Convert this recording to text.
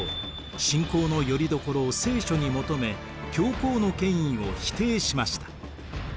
信仰のよりどころを聖書に求め教皇の権威を否定しました。